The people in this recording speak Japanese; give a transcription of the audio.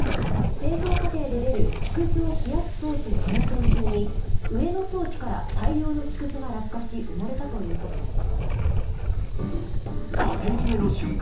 製造過程で出る木くずを冷やす装置の点検中に、上の装置から大量の木くずが落下し埋もれたということです。